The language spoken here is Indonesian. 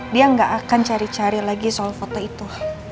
dia nggak akan cari cari lagi soal foto itu